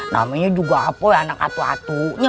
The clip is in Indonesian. namanya juga apoy anak atu atunya